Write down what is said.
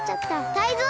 タイゾウ！